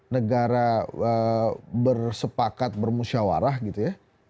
negara bersepakat bermusyawarah gitu ya